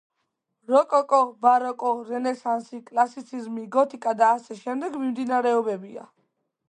როკოკო, ბაროკო, რენესანსი, კლასიციზმი, გოთიკა და ა.შ, მიმდინარეობებია